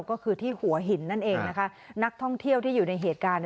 ก็คือที่หัวหินนั่นเองนะคะนักท่องเที่ยวที่อยู่ในเหตุการณ์